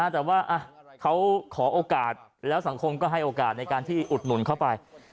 แต่ว่าเขาขอโอกาสแล้วสังคมก็ให้โอกาสในการที่อุดหนุนเข้าไป